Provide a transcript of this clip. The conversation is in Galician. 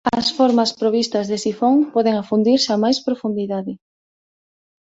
As formas provistas de sifón poden afundirse a máis profundidade.